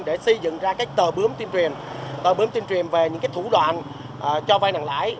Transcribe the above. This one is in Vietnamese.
để xây dựng ra các tờ bướm tuyên truyền tờ bướm tuyên truyền về những thủ đoạn cho vai nặng lãi